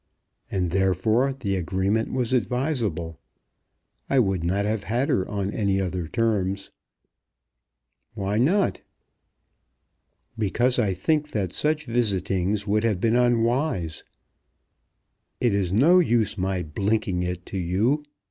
"And therefore the agreement was advisable. I would not have had her on any other terms." "Why not?" "Because I think that such visitings would have been unwise. It is no use my blinking it to you.